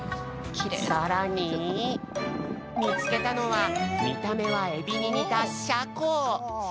さらにみつけたのはみためはエビににたシャコ？